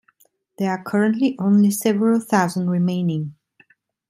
There are currently only several thousand remaining.